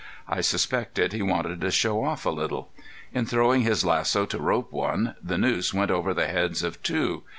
I suspected he wanted to show off a little. In throwing his lasso to rope one, the noose went over the heads of two.